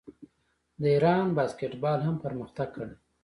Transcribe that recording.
د ایران باسکیټبال هم پرمختګ کړی.